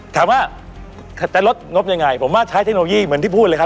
ถามว่าจะลดงบยังไงผมว่าใช้เทคโนโลยีเหมือนที่พูดเลยครับ